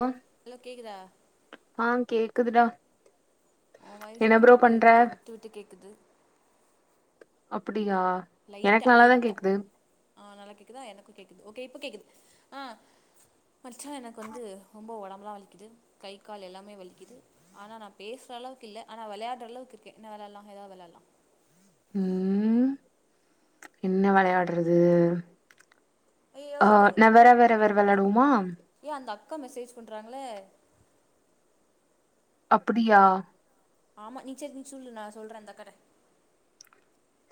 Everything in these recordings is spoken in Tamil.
ஆ ஹலோ கேக்குதா ஆ கேக்குதுடா ஒ வாய்ஸ் என்ன எனக்கு ப்ரோ வந்து பண்ற கொஞ்சோ விட்டு விட்டு கேக்குது அப்பிடியா லைட்டா எனக்கு நல்லாதா லைட்டா கேக்குது ஆ நல்லா கேக்குதா எனக்கு கேக்குது ஓகே இப்ப கேக்குது ஆ மச்சா எனக்கு வந்து ரொம்ப உடம்புலா வலிக்கிது கை கால் எல்லாமே வலிக்கிது ஆனா நா பேசற அளவுக்கு இல்ல ஆனா விளையாடுற அளவுக்கு இருக்கேன் என்ன விளாடலா ஏதாவது விளாடலா ம் என்ன விளையாடுறது ஐயயோ அ நவரவரவர் விளாடுவோமா ஏய் அந்த அக்கா மெசேஜ் பண்ணுறாங்களே அப்பிடியா ஆமா நீ சேரி நீ சொல்லு நா சொல்றே அந்த அக்காட்ட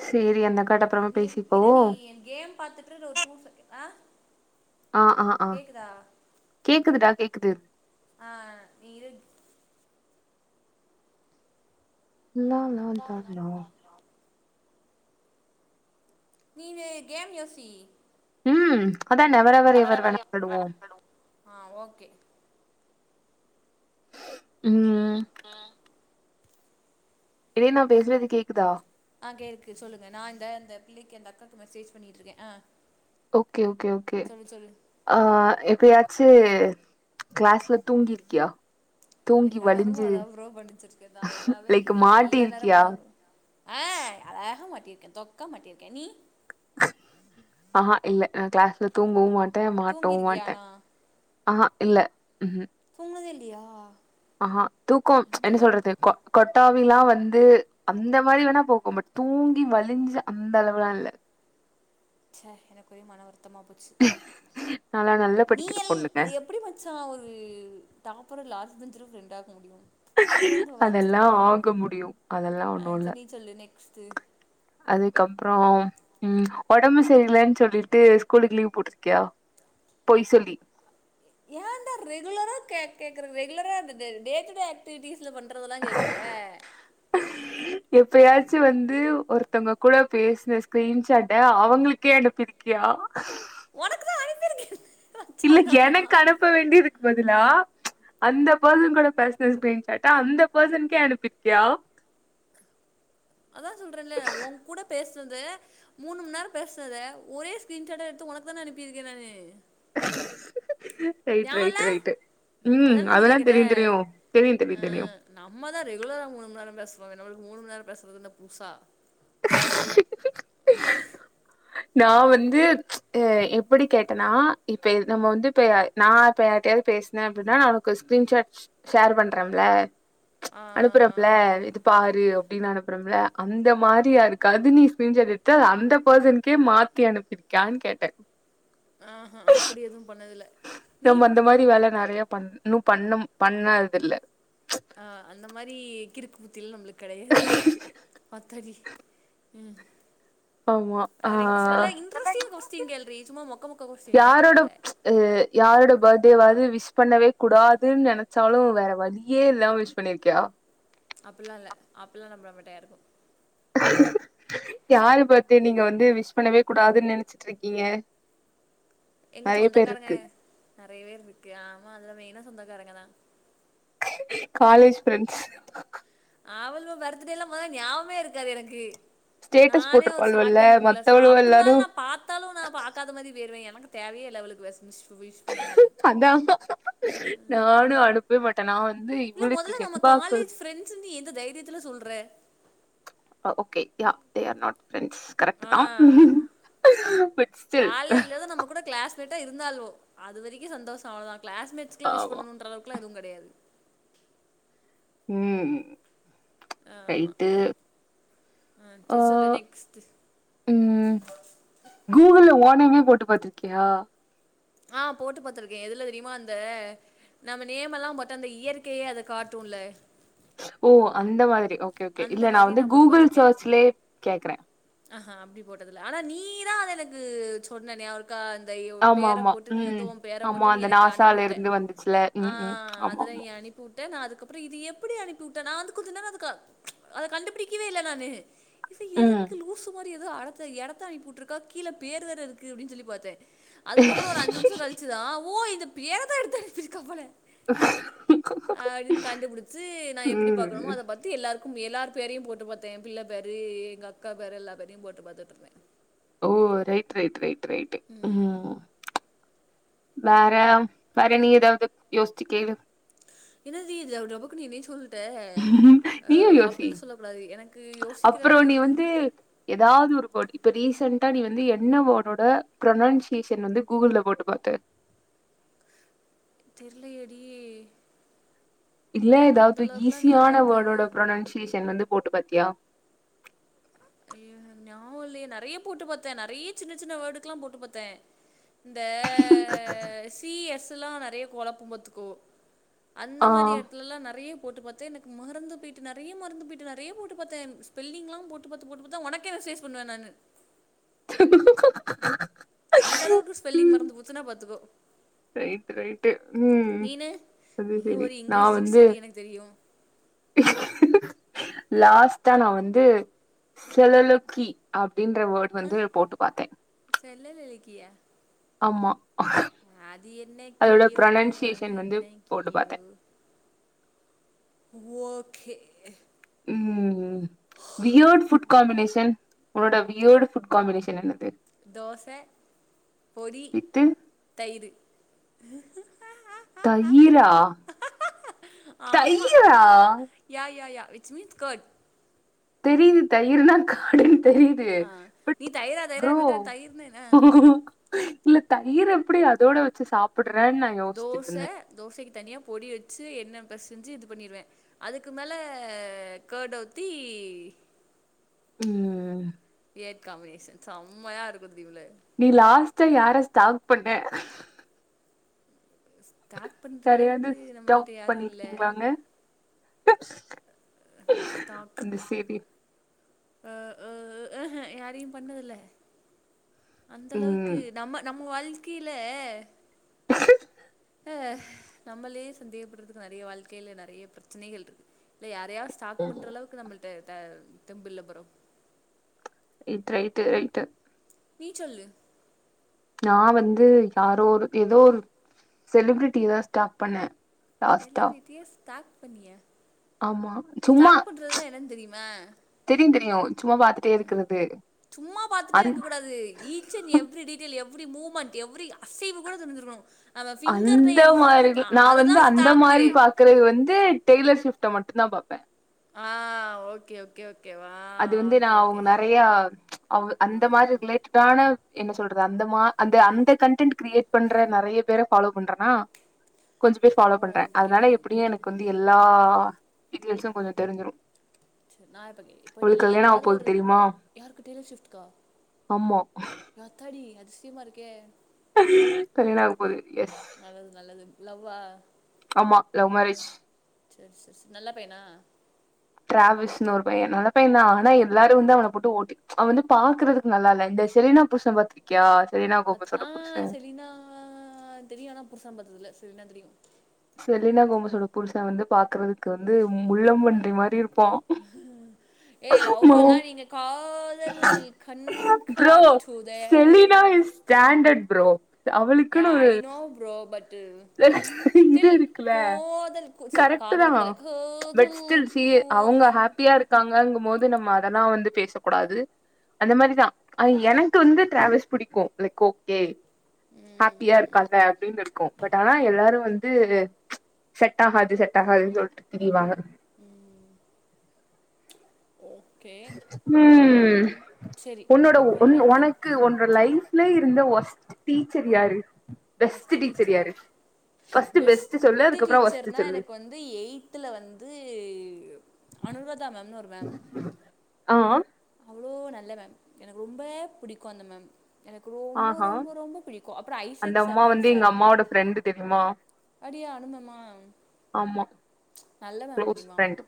சேரி அந்தக்காட்ட அப்றமா நீ பேசிப்போ இரு நீ என் கேம் பாத்துட்டுறு ஒரு டூ [unintelligible] ஆ ஆ ஆ கேக்குதா கேக்குதுடா கேக்குது ஆ நீ இரு இல்லாம [unintelligible] நீனு கேம் யோசி ம் அதா நெவரவர் எவர் அவரவர் எப்ப விளாடுவோ வேணாலும் ஆ ஓகே ம் [unintelligible] ஏய் நா பேசுறது ம் கேக்குதா ஆ கேக்கு சொல்லுங்க நா இந்த அந்த பிள்ளைக்கு அந்த அக்காக்கு மெசேஜ் பண்ணிட்டு இருக்கே அ ஓகே ஓகே ஓகே ஆ எப்பயாச்சு கிளாஸ்ல தூங்கிருக்கியா தூங்கி எல்லா நேரமு வலிஞ்சு அதா ப்ரோ படுச்சிருக்கேதா எல்லாவே லைக் எல்லா நேரமு மாட்டிருக்கியா அதா ஆ அழகா மாட்டிருக்கே தொக்கா மாட்டிருக்கே நீ ஆஹா இல்ல நா கிளாஸ்ல தூங்கவு மாட்டே மாட்டவு தூங்கிருக்கியா மாட்டே ஆனா ஆஹா இல்ல ம் தூங்னதே இல்லியா ஆஹா தூக்கோ என்ன சொல்றது கொ கொட்டாவிலா வந்து அந்த மாரி வேணா போக்கும் பட் தூங்கி வலிஞ்சு அந்த அளவுலா இல்ல ச எனக்கு ஒரே மன வருத்தமா போச்சு நான்லாம் நல்லா படிக்கிற நீயல் பொண்ணுங்க. அது எப் எப்டி மச்சா ஒரு டாப்பரு லாஸ்ட் பெஞ்சில ஃப்ரெண்ட் ஆக்க முடியு இப்டி வந்து அதெல்லாம் வாச்சிருக்கோமே நம்ம ஆக முடியும். அதெல்லாம் அ செரி நீ சொல்லு நெக்ஸ்ட்டு அதுக்கப்றோ ம் ஒடம்பு செரியிலன்னு சொல்லிட்டு ஸ்கூலுக்கு லீவ் போட்டிருக்கியா பொய் சொல்லி ஏன்ந்தா ரெகுலரா கேக் கேக்குறது ரெகுலரா இருந்துது நேத்து தா ஆக்டிட்டீஸ்ல பண்றதெல்லா கேக்குற எப்பயாச்சு வந்து ஒருத்தங்க கூட பேசின ஸ்கிரீன்ஷாட்ட அவங்களுக்கே அனுப்பி இருக்கியா உனக்கு தா அனுப்பிருக்கேன்ல இல்ல எனக்கு அனுப்ப வேண்டியதுக்கு பதிலா அந்த பர்சன் கூட பேசின ஸ்கிரீன்ஷாட்ட அந்த பர்சன்கே அனுப்பிருக்கியா அதா சொல்றேன்ல்ல ஊங் கூட பேசுனத மூணு மணி நேரோ பேசுனத ஒரே ஸ்கிரீன்ஷாட்டா எடுத்து உனக்கு தானே அனுப்பியிருக்கே நானு ரைட் ஞாபகோ இல்ல ரைட் ரைட்டு ம் அதான நீ அதெல்லா தெரியு தெரியு தெரியு தெரியு தெரியு நம்மதா ரெகுலரா மூணு மணி நேரோ பேசுவமே நமக்கு மூணு மணி நேரோ பேசுறது என்ன புதுசா நா வந்து எப்டி கேட்டேனா இப்ப நம்ம வந்து இப்ப நா இப்ப யார் கிட்டயாவது பேசுனே அப்டின்னா உனக்கு ஸ்க்ரீன்ஷாட் ஷேர் பண்றேன்ல ஆ அனுப்றப்பல இது பாரு அப்டின்னு அனுப்றோம்ல அந்த மாரி யாருக்காது நீ ஸ்க்ரீன் ஷாட் எடுத்து அத அந்த பர்சனுக்கே மாத்தி அனுப்பிருக்கான்னு கேட்ட ஆஹா அப்டி எதுவு பண்ணதில்ல நீ [unintelligible] வேல நெறய பண்ண இன்னு பண்ண பண்ணது இல்ல அ அந்த மாரி கிருக்கு புத்தி எல்லா நம்மளுக்கு கெடயாது ஆத்தாடி ம் ஆமா ஆ வேற நெக்ஸ் நல்லா இன்ட்ரெஸ்ட் கொஸ்டின் கேல்ரி சும்மா மொக்க மொக்க கொஸ்டின்சா யாரோட கேக்காத அ யாரோட பர்த்டேவாவது விஷ் பண்ணவே கூடாதுன்னு நெனச்சாலு வேற வழியே இல்லாம விஷ் பண்ணியிருக்கியா அப்டிலா இல்ல அப்டிலா நா பண்ண மாட்டே யாருக்கு யாரு பார்த்டே நீங்க வந்து விஷ் பண்ணவே கூடாதுன்னு நெனச்சிட்டு இருக்கீங்க எங்க சொந்தக்காரங்க நெறைய பேர் இருக்கு ஆமா அதுல மெயினா சொந்தக்காரங்க தா காலேஜ் ஃப்ரெண்ட்ஸ் அவளுக பர்த்டே எல்லா மெதல்ல ஞாபமே இருக்காது எனக்கு ஸ்டேட்டஸ் நானே ஒரு சார்ட் போட்ருப்பாளுவல்ல டைம் மெமரி லாஸ் மத்தவளுவ எல்லாரு அப்டின்னாலு நா பாத்தாலு நா பாக் காத மாரி போயிடுவே எனக்கு தேவையே இல்ல அவளுக்கு மிஷ் விஷ் பண்ணணுனு அதா நானு அனுப் அனுப்பவே மாட்டே நா வந்து இல்ல இவளுக்கு மொதல்ல நம்ம செண்பாக்கு காலேஜ் ஃப்ரெண்ட்ஸுன்னு நீ எந்த தைரியத்துல சொல்ற okay they are not friends a but still காலேஜ்ல ஆவது நம்ம கூட கிளாஸ் மெட்டா இருந்தாலுகோ அது வரைக்கு சந்தோசோ அவ்ளோதா கிளாஸ்மெட்ஸ்கலா விஷ் ஆமா பண்ணனுன்ற அளவுக்கு எல்லா எது கெடையாது ம் அ ஆமா ரைட்டு அ செரி சொல்லு நெக்ஸ்ட்டு ம் கூகுள்ல ஓனேமே போட்டு பாத்திருக்கியா அ போட்டு பாத்துருக்கே அ எதுல தெரியுமா அந்த நம்ம நேம் எல்லா போட்ட அந்த இயற்கையே அது காட்டுல்ல ஓ அந்த மாரி ஓகே ஓகே அந்த இல்ல நா மாதிரி வந்து நான் போட்டு கூகுள் பாத்துருக்கேன் சர்ச்லையே கேக்குற ஆஹா அப்டி போட்டதில்ல ஆனா நீதா அத எனக்கு சொன்ன நியாவகோ இருக்கா அந்த ஆமா பேர ஆமா போட்டு நீ வந்து ம் உன் பேர ஆமா போட்டு நீ அந்த எனக்கு நாசால அனுப்பிவிட்ட இருந்து வந்துச்சுல அ ம் ம் ஆமா அதுல ஆமா நீ அனுப் போட்டே நா அதுக்கப்றோ இத எப்டி அனுப்பி உட்ட நா அதுக் கொஞ்ச நேரோ அதுக்க அத கண்டுபிடிக்கவே இல்ல நானு இப்ப ம் எதுக்கு லூசுமா ரி எதோ அடத்த எடத்த அனுப்பி உட்ருக்கா கீழ பேரு வேற இருக்கு அப்டின் சொல்லி பாத்தே அதுக்கப்றோ ஒரு அஞ்சு நிம்ஷோ கழிச்சி ச்சி தா ஓ இத பேரதா எடுத்து அனுப்பிருக்கா போல அப்டின் கண்டுபுடிச்சு நா எப்டி பாக்குனுமோ ம். அத பாத்து எல்லாருக்கு அவுங் எல்லார் பேரையு போட்டு பாத்தே ஏன் பிள்ள பேரு எங்கக்கா பேரு எல்லா பேரையு போட்டு பாத்துட்ருந்தே ஓ ரைட் ரைட் ரைட் ரைட்டு ம் வேற வேற நீ எதாது யோசிச்சு கேளு என்னது இது டபுக்குனு என்னைய சொல்லிட்ட அ நீயும் யோசி. அப்புல்ல சொல்லக்கூடாது எனக்கு யோசிக்கிற அளவுக்கு எதாவது ஒரு வேர்டு இப்ப ரீசன்ட்டா நீ வந்து என்ன வேடோட ப்ரனன்சிஷன் வந்து கூகுல்ல போட்டு பாத்த தெர்லயே டி இல்ல எதாது ஞாபகம் ஈஸியான இருக்காது வேர்டோட புரொனன்சேஷன் வந்து போட்டு பாத்தியா அய்யோ எனக் ஞாவோ இல்லயே நறைய போட்டு பாத்தே நறைய சின்ன சின்ன வேர்டுக்குலா போட்டு பாத்தே இந்த சி எஸ்சுல்லா நெறைய கொழப்பு பாத்துக்கோ அந்த ஆ. மரி எடத்துலலா நறைய போட்டு பாத் எனக்கு மறந்து பேட்டு நறைய மறந்து பேட்டு நறைய போட்டு பாத்தே ஸ்பெல்லிங்லா போட்டு போட்டு பாத் போட் பாத்து தா ஒனக்கே மெசேஸ் பண்ணுவ நானு [inaudible] அந்தளவுக்கு ஸ்பெல்லிங் ம். மறந்து போச்சுன்னா பாத்துக்கோ ரைட் ரைட்டு ம் நீனு அது நீ சரி ஒரு நா இங்கிலீஷ் வந்து டிக்ஷனரி எனக்கு தெரியு [inaudible] லாஸ்ட் தா நா வந்து செலலோக்கி அப்டின்ற வேர்ட் வந்து போட்டு பாத்தே செல்லலலிக்கியா ஆமா. அது என்ன அதோட கீயோ அது ப்ரொனன்சியேஷன் வந்து என்ன போட்டு பாத்தேன். கீயோ ஓகே ம் வியோட் ஃபுட் காமினேஷன் உன்னோட வியர்டு ஃபுட் காம்பினேஷன் என்னது தோச பொடி வித்து தயிரு தயிரா ஆமா தயிரா yeah yeah yeah which means curd தெரியுது தயிருனா கார்டுன்னு தெரியுது ஆ [inaudible] பட் நீ தயிரா ப்ரோ தயிரான்னுட்ட தயிர்னா என்ன இல்ல தயிர் எப்டி அதோட வச்சு சாப்புர்றன்ன தோச தோசைக்கு தனியா பொடி வச்சு எண்ணெ பேசெஞ்சு இது பண்ணிருவே அதுக்கு மேல கெர்ட் ஊத்தி ம் கிரேட் காமினேஷன் செம்மையா இருக்கு தெரிம்ல நீ லாஸ்டா யார ஸ்டாக் பண்ண ஸ்டாக் பண்ற யாரயாது அளவுக்கு ஸ்டம் நம்மள்ட்ட யாரு இல்ல பண்ணிருக்கிங்ளாங்க ஸ்டாக் அந்த [unintelligible] அ அ அ ஹ யாரையு பண்ணதுல்ல அந்தளவுக்கு ம் நம்ம நம் வாழ்க்கைல ல நம்மளே சந்தேகப்பட்றதுக்கு நறைய வாழ்க்கைல நறைய பிரச்சனைகள்ருக்கு இல யாரையா சாட்க் பண்றளவுக்கு நம்மள்ட த தெம்புல்ல ப்ரோ ரைட் ரைட்டு ரைட்டு நீ சொல்லு நா வந்து யாரோரு எதோ ஒரு செலிபிரிட்டி தா ஸ்டாக் பண்ணே லாஸ்ட்டா செலிபிரிட்டியை ஸ்டாக் பண்ணிய ஆமா சும்மா என்னன்னு தெரியுமா தெரியு தெரியு சும்மா பாத்துட்டே இருக்கிறது சும்மா பாத்துட்டே அந் இருக்கக் கூடாது each and every detail every moment every அசைவு கூட தெரிசிருக்கணு நம் பிங்கர் அந்த நெயில்ஸ் இருந்து அதுதா ஸ்டாக்கு இருக்கறது வந்து டெய்லர்ஷிப்ட மட்டு தா பாப்பே ஆ ஓகே க் ஓகே ஓகேவா அது வந்து நா ஓகே அவங்க ஓகே நெறைய அவ் ஆ அந்த மாரி ஆ ரிலேட் தான என்ன சொல்றது அந்த அந்த அந்த கண்டடென்ட் கிரியேட் பண்ற நெறைய பேர பாலோ பண்றனா கொஞ்ச பேர் ஃபாலோ பண்ற ஓகே அதனால ஓகே எப்டியு எனக்கு வந்து எல்லா டீடெயில்ஸு கொஞ்ச தெரிஞ்சுரும் சேரி நா இப்ப கேக் இப்ப நீ ஆக ஏதாவது போது ஒரு தெரியுமா யாருக்கு டெய்லர் ஷிப்ட்க்க ஆமா ஆத்தாடி அதுசியமா இருக்கே கல்யாணாக போது எஸ் நல்லது நல்லது லவ்வா ஆமா லவ் மேரேஜ் சேரி சேரி சேரி நல்லா பையனா டிராவல்ஸ்ன்னு ஒரு பைய நல்ல பைய தா ஆனா எல்லாரு வந்து அவன போட்டு ஓட்டி அவ வந்து பாக்குறதுக்கு நல்லா இல்ல இந்த செலீனா புருஷ பாத்திருக்கியா செலீனா பார்த்து கோமேஸ்யோட புருஷ ஆ தெரியு ஆன புருசான பாத்ததுல செலீனா தெரியு செலீனா கோமசோட புருச வந்து பாக்குறதுக்கு வந்து முள்ளம் பண்றி மாரி இருப்ப உம் ஏ லவ்வாலா நீனு காதல் கண் காட்டுதே பிராண்டெட் ப்ரோ யா அவளுக்குன்னு ஒரு ஐ நோ ப்ரோ பட் இது ஸ்டில் இருக்குல்ல காதல் [unintelligible] காதல் கூடயில்ல காதல் சீ அவங்க கூகன் ஹாப்பியா இருக்காங்கங்கும் போது நம்ம அதெல்லா வந்து பேசக்கூடாது அந்த மாரிதா ஐ எனக்கு வந்து டிராவல்ஸ் பிடிக்கு லைக் ஓகே ஹாப்பியா இருக்கால அப்டின்னு இருக்கு பட் ஆனா எல் லாரு வந்து செட் ஆகாது செட் ஆகாதுன்னு சொல்லிட்டு திரிவாங்க உம் ஓகே ம் சரி உன்னோட இப்போ நீ உன் வந்து உனக்கு கு ஒன்ற லைஃப்ல இருந்த ஒஸ்ட் டீச்சர் யாரு பெஸ்ட் ஃபஸ்ட்டு டீச்சர் டீச்சரா யாரு ஃபஸ்ட் பெஸ்ட்ட் சொல்லு அதுக்கப்புற வொஸ்ட் சொல்லு அது எய்த்துல வந்து அனுராதா மேம்னு ஒரு மேம் ஆ அவ்வளோ நல்ல மேம் எனக்கு ரொம்ப பிடிக்கு அந்த மேம் எனக்கு ரொம்ப ஆஹா ரொம்ப ரொம்ப பிடிக்கு அப்புற அந்த ஐசக் அம்மா சாருன்னு ஒரு வந்து எங்க சாரு அம்மாவோட ஃப்ரெண்டு தெரியுமா அப்டியே அனு மேம்மா ஆமா நல்ல மேம் க்ளோஸ் தெரியுமா ஃப்ரெண்ட்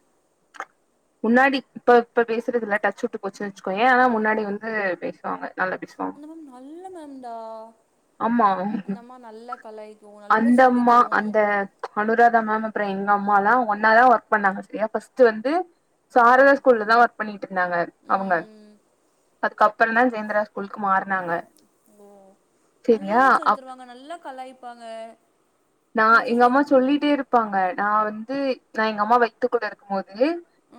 முன்னாடி இப்ப இப்ப பேசுறதுல்ல டச் விட்டு போச்சுன்னு வச்சுகயே ஆனா முன்னாடி ஆஹ் வந்து பேசுவாங்க நல்லா பேசுவாங்க அந்த மேம் நல்ல மேம்டா ஆமா அந்தம்மா நல்லா கலாய்க்கு நல்லா சொல்லி அந்தம்மா தரு அந்த அனுராதா மேம் அப்புற எங்க அம்மா எல்லா ஒன்னா தா ஒர்க் பண்ணாங்க சேரியா ஃபர்ஸ்ட் வந்து ஓ சாரதா ஸ்கூல்ல தா ஒர்க் பண்ணிட்டு இருந்தாங்க அவங்க ம் அதுக்கப்புற தா ஜேந்திரா ஸ்கூலுக்கு மாறுனாங்க ஓ சரியா நல்லா சொல்லி அப் தருவாங்க நல்லா கலாய்பாங்க நா எங்க அம்மா சொல்லிட்டே இருப்பாங்க நா வந்து நா எங்க அம்மா வை த்துக்குள்ள இருக்கும்போதே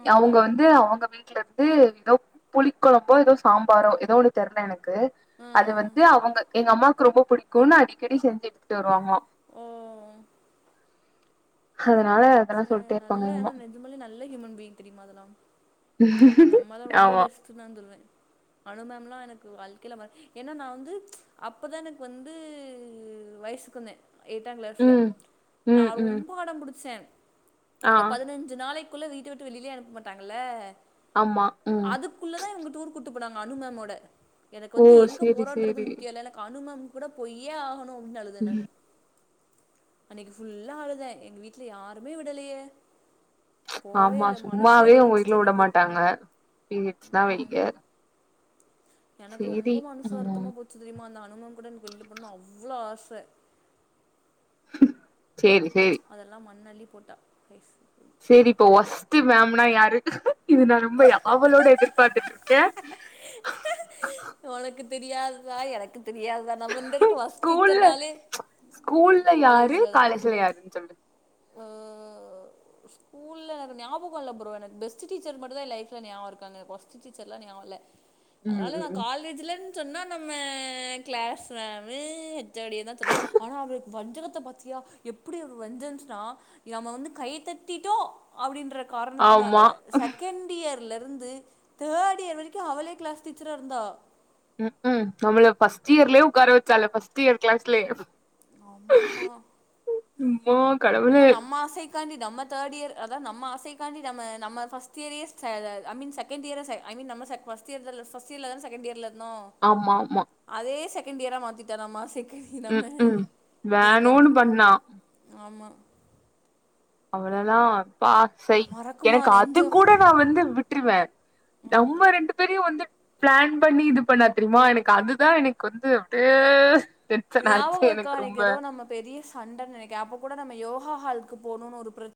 ம் அவங்க வந்து அவங்க வீட்டுல இருந்து [unintelligible] ஏதோ புளி குழம்போ ஏதோ சாம்பாரோ ஏதோ ஒண்ணு தெர்ல எனக்கு அது ம் வந்து அவங்க எங்க அம்மாவுக்கு ரொம்ப புடிக்குன்னு அடிக்கடி செஞ்சு எடுத்துட்டு வருவாங்களா ஓ அதுனால அ நல்லா ஆன நெஜமலே நல்ல ஹூமன் பீயிங் தெரியுமா அதெல்லாம் நம்மதா ரொம்ப ஆமா பெஸ்ட் ன்னு வந்துருவே அனு மேம்லா எனக்கு வாழ்கைல மறக் ஏன்னா நா வந்து அப்பதா எனக்கு வந்து வயசுக்கு வந்தே எட்டாம் கிளாஸ்ல ம் நா ம், ம். ரொம்ப அடோ புடிச்சே ஆ, அந்த பதினஞ்சு நாளைக்குள்ள வீட்ட விட்டு வெளியிலயே அனுப்ப மாட்டாங்கல்ல ஆமா ம் குள்ளதா இவங்க டூர் கூட்டு போனாங்க அனும்மோட எனக்கு ஓ! வந்து எங்க சரி, போறோன்றது சரி. முக்கியல்லல்ல அனு மேம் கூட பொய்யே ஆகணு அப்டின்னு அழுதே ம். நானு அன்னைக்கி ஃபுல்லா ஆழுதே எங்க வீட்ல யாருமே விடலையே போவே ஆமா இல்லை மனசே சும்மாவே உங்க வீட்ல வலிச்சிட்டு விட எனக்கு மாட்டாங்க பீரியட்ஸ் தா வெளிய எனக்கு ரொம்ப மனுசு ம். வருத்தமா போச்சு தெரியுமா அந்த அனு மேம் கூட எனக்கு வெள்ல போணு அவ்ளோ ஆச சேரி சேரி அதெல்லா மண்னள்ளி போட்டா ப்ரைஸ் சேரி இப்போ ஒஸ்தி மேம்னா யாரு இது நா ரொம்ப ஆவலோட எதிர்பாத்துட்டுருக்கே உனக்கு தெரியாததா எனக்கு தெரியாத நம்ம ரெண்டு பெருக்கு ஒஸ்தி ஸ்கூல்ல டீச்சர்னாலே காலேஜ்ல தா ல்லையாருன் சொல்லு ஓ ஸ்கூல்ல எனக்கு ஞாபகோல்ல ப்ரோ எனக் பெஸ்ட்டு டீச்சர் மட்டு தா ஏ லைஃப்ல நியாவோருக்கு வோஸ்ட்டு டீச்சர்லா நியாவோல்ல ம், அதனால நா ம். காலேஜ்லன் சொன்னா நம்ம கிளாஸு மேமு ஹெச் ஓ டிய தா சொல்லுவே ஆனா அவருக்கு வஞ்சகத்த பாத்தியா எப்டி ஒரு வஞ்சன்ஸ் னா நம்ம வந்து கைத்தட்டிட்டோ அப்டின்ற காரணத்தினால ஆமா. செகண்டியர் லருந்து தேர்டியர் வரைக்கு அவளே கிளாஸ் டீச்சரா இருந்தா ம்ஹும் நம்மள ஃபஸ்டியர்லே உட்கார வச்சாளே ஃபஸ்டியர் கிளாஸ்லே ஆமம்மா [unintelligible] ஆனா நம்ம ஆசைக் க்காண்டி நம்ம தேர்டியர் அதாவது நம்மசைகாண்டி நம்ம நம்ம ஃபஸ்டியரையே செர அம்மீன்சார் செகண்டியர் ஐ மீன் நம்ம செக் ஃபஸ்டியர்ல தா ஃபஸ்டியர் செகண்டியர்ல இருந்தோ ஆமா ஆமா அதே செகண்டியரா மாத்திட்டாம்மா செகண்டியர் ம், நம்ம ம். இதுக்காண்டி வேணுன்னு பண்ணா. ஆமா அவ்ளோல்லா பா சைய் மறக்குமா எனக்கு அது நெஞ்சோ கூட நா வந்து விட்டுருவே நம்ம ரெண்டு பேரையு வந்து பிளான் பண்ணி இது பண்ணா தெரியுமா எனக்கு அதுதா எனக்கு வந்து அப்டே ஞாபகருக்கா எனக்கு ஏதோ நம்ம பெரிய சண்ட நெனைக்கிறே அப்ப கூட நம்ம யோகா ஹாலுக்கு போணுன்னு ஒரு பிரச்